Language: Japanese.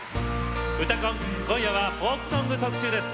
「うたコン」今夜はフォークソング特集です。